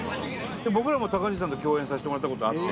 僕らもたかじんさんと共演させてもらった事あって。